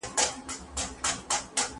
کتاب د زهشوم له خوا وړل کيږي!!